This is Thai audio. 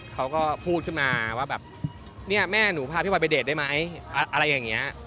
เขาก็พูดขึ้นมาว่าแบบเนี่ยแม่หนูพาพี่บอยไปเดทได้ไหมอะไรอย่างนี้